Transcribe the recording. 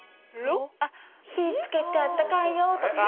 火つけてあったかいよとか？